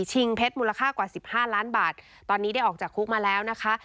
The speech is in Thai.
เพชรมูลค่ากว่าสิบห้าล้านบาทตอนนี้ได้ออกจากคุกมาแล้วนะคะ